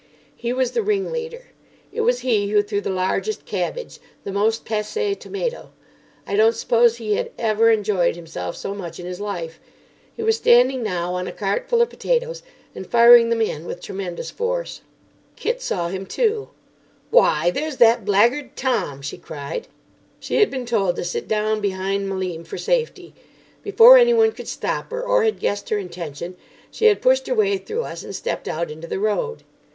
He was the ringleader. It was he who threw the largest cabbage, the most passé tomato. I don't suppose he had ever enjoyed himself so much in his life. He was standing now on a cart full of potatoes, and firing them in with tremendous force. Kit saw him too. "Why, there's that blackguard Tom!" she cried. She had been told to sit down behind Malim for safety. Before anyone could stop her, or had guessed her intention, she had pushed her way through us and stepped out into the road.